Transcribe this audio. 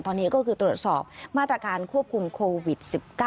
ตอนนี้ก็คือตรวจสอบมาตรการควบคุมโควิด๑๙